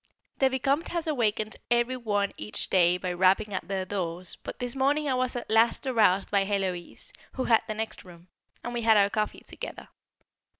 The Vicomte has awakened every one each day by rapping at their doors, but this morning I was at last aroused by Héloise, who had the next room, and we had our coffee together.